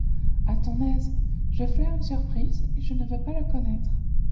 À ton aise… je flaire une surprise et je ne veux pas la connaître…